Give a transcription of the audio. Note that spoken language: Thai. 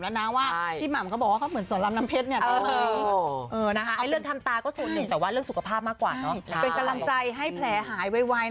ลามครั้งหน้าต้องไปถามแล้วนะว่า